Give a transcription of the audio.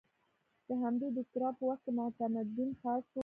د همدې دوکتورا په وخت کې معتمدین خاص وو.